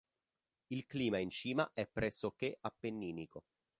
Il clima in cima è pressoché appenninico.